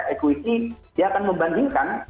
equity dia akan membandingkan